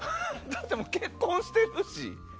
だってもう結婚してるし！